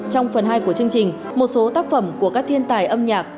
trong phần hai của chương trình một số tác phẩm của các thiên tài âm nhạc